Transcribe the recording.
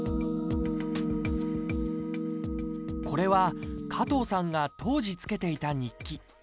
これは、加藤さんが当時つけていた日記。